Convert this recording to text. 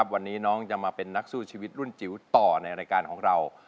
วันนี้น้องจะมาเป็นนักสู้ชีวิตรุ่นจิ๋วต่อในรายการของเรา